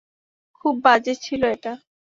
খুব বাজে ছিল এটা।